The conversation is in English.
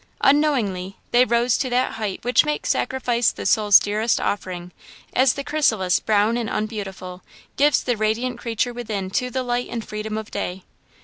Unknowingly, they rose to that height which makes sacrifice the soul's dearest offering, as the chrysalis, brown and unbeautiful, gives the radiant creature within to the light and freedom of day.